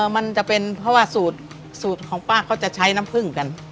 มันจะเป็นเพราะว่าสูตรของป้าเขาจะใช้น้ำผึ้งกัน